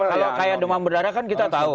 kalau kayak demam berdarah kan kita tahu